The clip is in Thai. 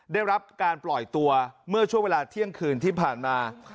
ได้รับการปล่อยตัวเมื่อช่วงเวลาเที่ยงคืนที่ผ่านมา